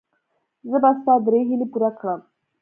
زه به ستا درې هیلې پوره کړم.